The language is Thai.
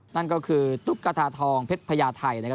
นั่นก็คือตุ๊กกระทาทองเพชรพญาไทยนะครับ